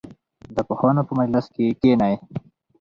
د پوهانو په مجلس کې کښېنئ.